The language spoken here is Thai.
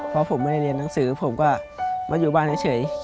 เพราะผมไม่ได้เรียนหนังสือผมก็มาอยู่บ้านเฉย